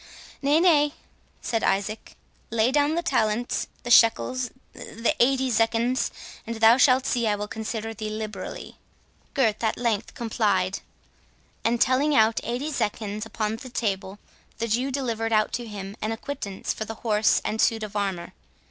"Nay, nay!" said Isaac; "lay down the talents—the shekels—the eighty zecchins, and thou shalt see I will consider thee liberally." Gurth at length complied; and telling out eighty zecchins upon the table, the Jew delivered out to him an acquittance for the horse and suit of armour.